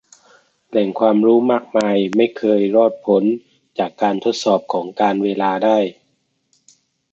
แหล่งความรู้มากมายไม่เคยรอดพ้นจากการทดสอบของการเวลาได้